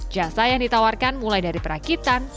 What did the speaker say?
jasa yang ditawarkan mulai dari perakitan